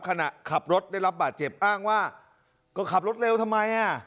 ขณะขับรถได้รับบาดเจ็บอ้างว่าก็ขับรถเร็วทำไมอ่ะ